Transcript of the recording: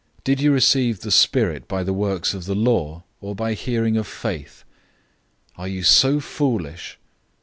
Did you receive the Spirit by the works of the law, or by hearing of faith? 003:003 Are you so foolish?